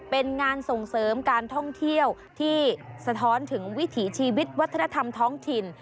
เป็นงานส่งเสริมการท่องเที่ยวที่สะท้อนถึงวิถีชีวิตวัฒนธรรมท้องถิ่น